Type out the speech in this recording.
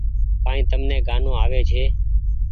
ڪآئي تم ني گآنو آوي ڇي۔